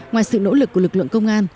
ngoài sự nỗ lực của lực lượng công an